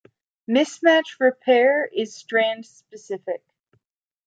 Mismatch repair is strand-specific.